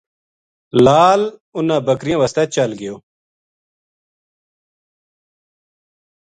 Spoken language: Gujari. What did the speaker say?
لال اُنھاں بکریاں واسطے چل گیو